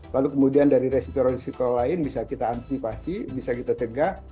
lalu kemudian dari resiko resiko lain bisa kita antisipasi bisa kita cegah